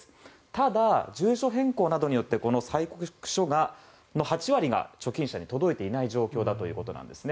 ただ、住所変更などによってこの催告書の８割が貯金者に届いていない状況だということです。